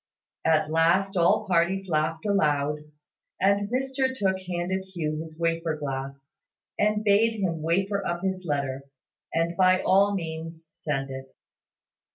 At last all parties laughed aloud, and Mr Tooke handed Hugh his wafer glass, and bade him wafer up his letter, and by all means send it.